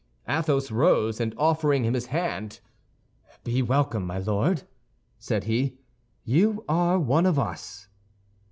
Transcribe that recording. Athos rose, and offering him his hand, "Be welcome, my Lord," said he, "you are one of us."